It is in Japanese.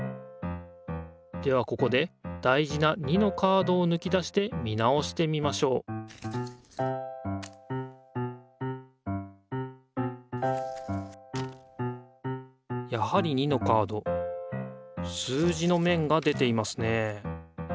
ではここで大事な２のカードをぬき出して見直してみましょうやはり２のカード数字のめんが出ていますね